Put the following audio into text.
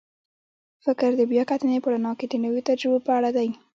فکر د بیا کتنې په رڼا کې د نویو تجربو په اړه دی.